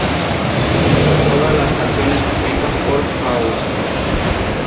Todas las canciones escritas por Faust.